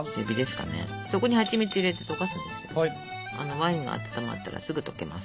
ワインが温まったらすぐ溶けます。